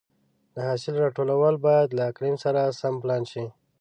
د حاصل راټولول باید له اقلیم سره سم پلان شي.